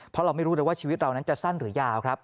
เพราะเราไม่รู้เลยว่าชีวิตเรานั้นจะสั้นหรือยาวครับ